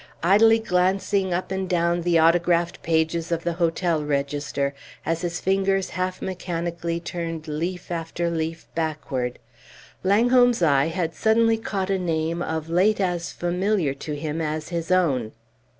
Idly glancing up and down the autographed pages of the hotel register, as his fingers half mechanically turned leaf after leaf backward, Langholm's eye had suddenly caught a name of late as familiar to him as his own.